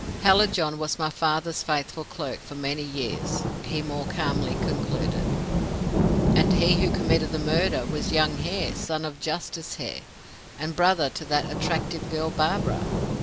"Hallijohn was my father's faithful clerk for many years," he more calmly concluded. "And he who committed the murder was young Hare, son of Justice Hare, and brother to that attractive girl, Barbara.